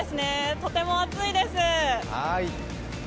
とても暑いです。